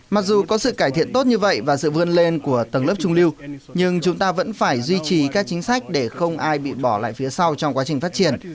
mặc dù có sự cải thiện tốt như vậy và sự vươn lên của tầng lớp trung lưu nhưng chúng ta vẫn phải duy trì các chính sách để không ai bị bỏ lại phía sau trong quá trình phát triển